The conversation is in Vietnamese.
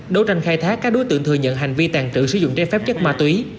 đấu tranh khai thác các đối tượng thừa nhận hành vi tàn trữ sử dụng trái phép chất ma túy